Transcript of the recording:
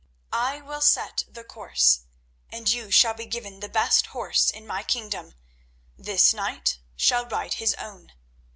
I will set the course, and you shall be given the best horse in my kingdom; this knight shall ride his own.